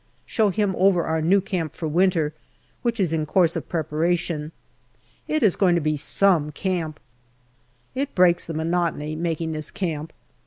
Show him over our new camp for winter, which is in course of preparation. It is going to be " some " camp. It breaks the monotony, making this camp.